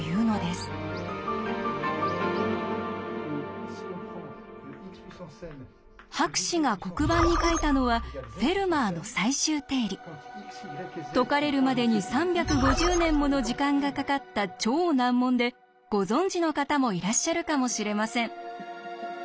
それは博士が黒板に書いたのは解かれるまでに３５０年もの時間がかかった超難問でご存じの方もいらっしゃるかもしれません。